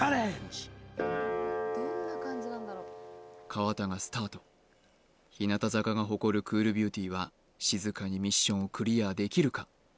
河田がスタート日向坂が誇るクールビューティーは静かにミッションをクリアできるか？